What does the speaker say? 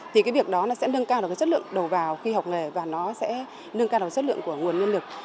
thì cái việc đó nó sẽ nâng cao được cái chất lượng đầu vào khi học nghề và nó sẽ nâng cao được chất lượng của nguồn nhân lực